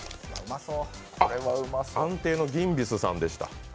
あっ、安定のギンビスさんでした。